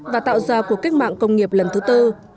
và tạo ra cuộc cách mạng công nghiệp lần thứ tư